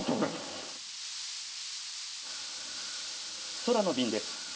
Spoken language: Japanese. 空の便です。